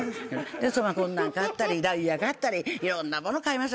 こんなん買ったりダイヤ買ったりいろんな物買いました。